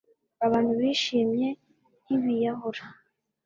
Abantu bishimye ntibiyahura